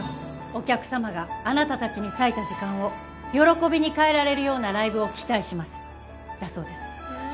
お客様があなた達に割いた時間を喜びに変えられるようなライブを期待しますだそうです